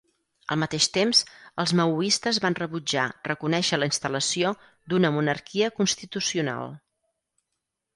Al mateix temps, els maoistes van rebutjar reconèixer la instal·lació d'una monarquia constitucional.